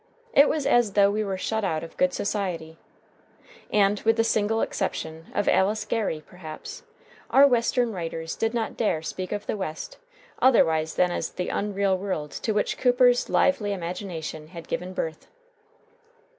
It was as though we were shut out of good society. And, with the single exception of Alice Gary, perhaps, our Western writers did not dare speak of the West otherwise than as the unreal world to which Cooper's lively imagination had given birth.